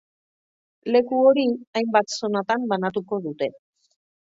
Leku hori hainbat zonatan banatuko dute.